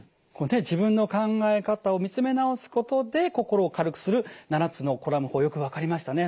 自分の考え方を見つめ直すことで心を軽くする７つのコラム法よく分かりましたね。